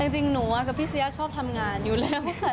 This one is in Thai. จริงหนูกับพี่เสียชอบทำงานอยู่แล้วค่ะ